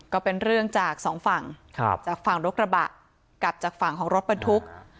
ก็เป็นเรื่องจากสองฝั่งจากฝั่งรถกระบะกับจากฝั่งของรถบรรทุก